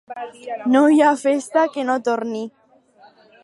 No hi ha festa que no torni.